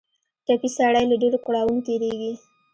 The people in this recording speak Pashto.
ټپي سړی له ډېرو کړاوونو تېرېږي.